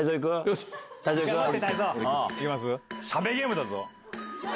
しゃべゲームだぞ。